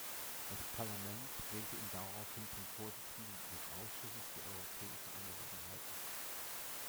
Das Parlament wählte ihn daraufhin zum Vorsitzenden des Ausschusses für europäische Angelegenheiten.